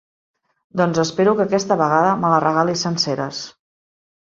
Doncs espero que aquesta vegada me les regalis senceres.